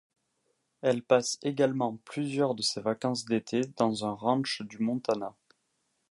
Elle passe également plusieurs de ses vancances d’été dans un ranch du Montana.